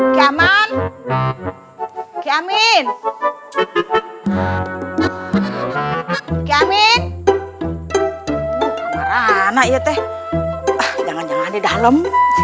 keaman keamin keamin kamar anak yeteh jangan jangan di dalam